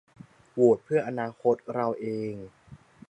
โหวตเพื่ออนาคตเราเอง